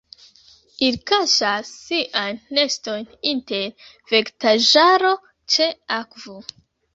Ili kaŝas siajn nestojn inter vegetaĵaro ĉe akvo.